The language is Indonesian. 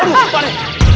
aduh pak de